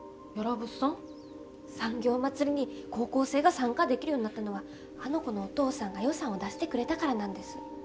産業まつりに高校生が参加できるようになったのはあの子のお父さんが予算を出してくれたからなんです。